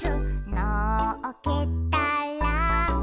「のっけたら」